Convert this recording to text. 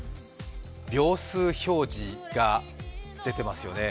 秒数表示が出てますよね。